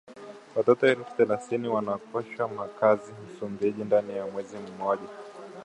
Watoto elfu thelathini wakoseshwa makazi Msumbiji ndani ya mwezi mmoja